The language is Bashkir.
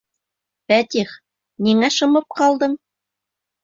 Фәтих, ниңә шымып ҡалдың?